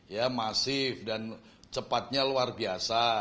ya masif dan cepatnya luar biasa